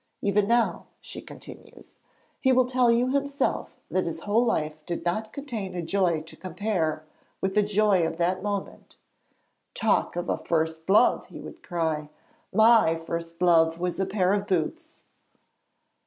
Even now,' she continues, 'he will tell you himself that his whole life did not contain a joy to compare with the joy of that moment. "Talk of a first love!" he would cry; "my first love was a pair of boots."'